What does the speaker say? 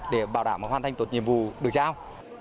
để bảo đảm hoàn thành tốt nhiệm vụ được giao